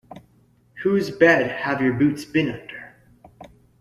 Whose Bed Have Your Boots Been Under?